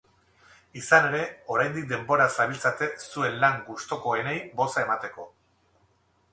Izan ere, oraindik denboraz zabiltzate zuen lan gustukoenei boza emateko.